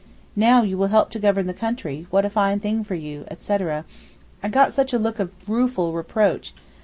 'Now you will help to govern the country, what a fine thing for you,' etc. I got such a look of rueful reproach.